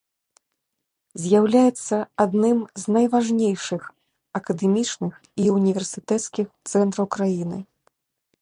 З'яўляецца адным з найважнейшых акадэмічных і універсітэцкіх цэнтраў краіны.